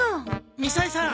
みさえさん